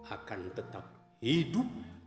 akan tetap hidup